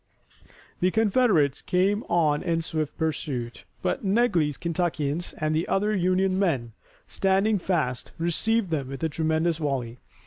The Confederates came on in swift pursuit, but Negley's Kentuckians and the other Union men, standing fast, received them with a tremendous volley.